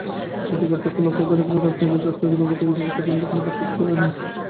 নীতির পার্থক্য লক্ষ করা গেলেও রাজনীতিচর্চার গুণগত বিচারে তাদের মধ্যে কোনো পার্থক্যনেই।